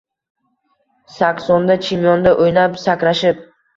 Saksonda Chimyonda o’ynab, sakrashib